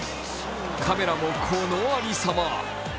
カメラもこのありさま。